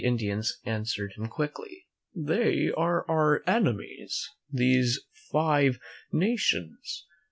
tM Indians answered him quickly: "They are our enemies, these Five Nations.